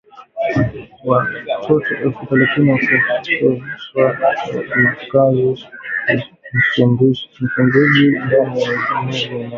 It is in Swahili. Watoto elfu thelathini wakoseshwa makazi Msumbiji ndani ya mwezi mmoja